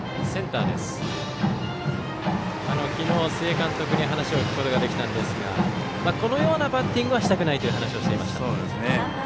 昨日、須江監督に話を聞くことができましたがこのようなバッティングはしたくないという話をしていました。